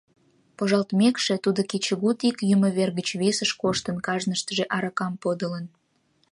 Пожалтмекше, тудо кечыгут ик йӱмывер гыч весыш коштын, кажныштыже аракам подылын.